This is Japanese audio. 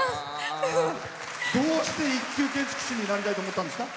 どうして一級建築士になりたいと思ったんですか？